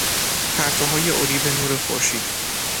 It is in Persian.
پرتوهای اریب نور خورشید